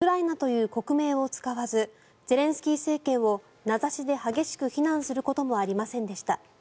プーチン大統領は演説でウクライナという国名を使わずゼレンスキー政権を名指しで激しく非難することもありませんでした。